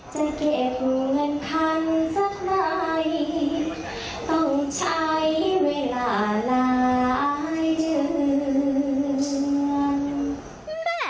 จะเก็บเงินพันสักใครต้องใช้เวลาหลายเดือน